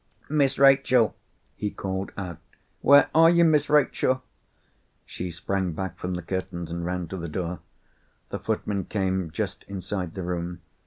"Miss Rachel!" he called out, "where are you, Miss Rachel?" She sprang back from the curtains, and ran to the door. The footman came just inside the room.